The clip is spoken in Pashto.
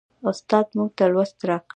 استاد موږ ته لوست راکړ.